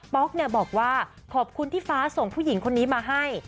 ๊อกบอกว่าขอบคุณที่ฟ้าส่งผู้หญิงคนนี้มาให้